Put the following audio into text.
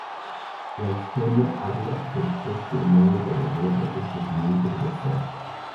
La historia habla del coste humano de la guerra, el sufrimiento universal.